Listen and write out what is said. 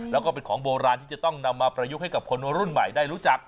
แล้วก็เป็นของโบราณที่จะต้องนำมาประยุกต์ให้กับคนรุ่นใหม่ได้รู้จัก